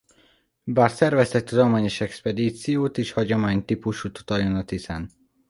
Bár szerveztek tudományos expedíciót is hagyomány típusú tutajon a Tiszán.